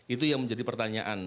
itu yang menjadi pertanyaan